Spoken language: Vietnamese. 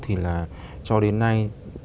thì là cho đến nay